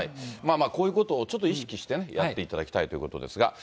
こういうことを意識してやっていただきたいということですが。